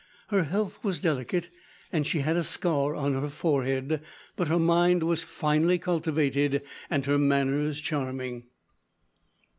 Her health was delicate and she had a scar on her forehead, but her mind was finely cultivated and her manners charming.